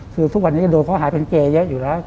คือทุกวันนี้โดนเขาหายเป็นเกย์เยอะอยู่แล้ว